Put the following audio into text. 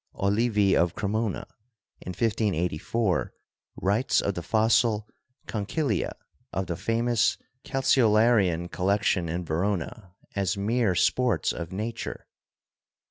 Olivi of Cremona, in 1584, writes of the fossil conchylia of the famous Calceolarian collection in Verona as mere sports of nature.